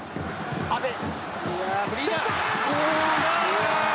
阿部。